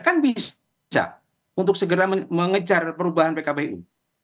kan bisa untuk segera mengejar perubahan pkpu